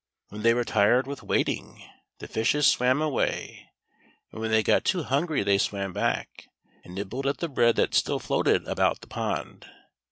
When they were tired with waiting, the fishes swam away, and when they got too hungry they swam back ; and nibbled at the bread that still floated about the pond.